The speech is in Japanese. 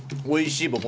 おいしい！